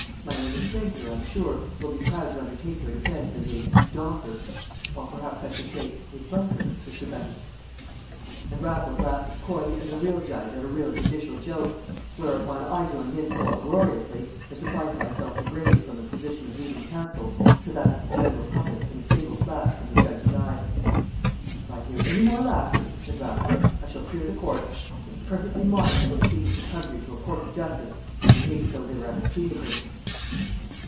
My learned friend here, I'm sure, will be proud to undertake your defence as a 'docker'; or perhaps I should say a 'bunker,' Mr. Bunny?" And Raffles laughed as coyly as a real judge at a real judicial joke, whereupon I joined in so uproariously as to find myself degraded from the position of leading counsel to that of the general public in a single flash from the judge's eye. "If I hear any more laughter," said Raffles, "I shall clear the court. It's perfectly monstrous that people should come here to a court of justice and behave as though they were at a theatre."